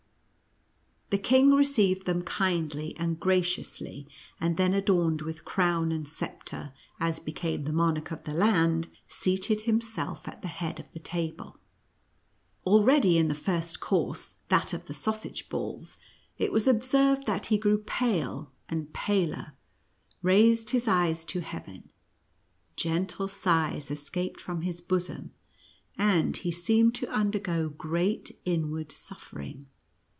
The king received them kindly and graciously, and then, adorned with crown and sceptre, as became the monarch of the land, seated himself at the head of the table. Already in the first course, that of the sausage balls, it was observed that he grew pale and paler; raised his eyes to heaven ; gentle sighs escaped from his bosom, and he seemed to undergo great inward suffer ing.